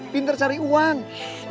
pinter cari uang